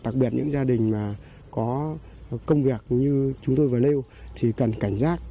đặc biệt những gia đình mà có công việc như chúng tôi và lêu thì cần cảnh giác